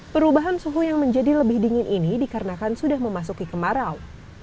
perubahan suhu yang menjadi lebih dingin ini dikarenakan sudah memasuki kemarau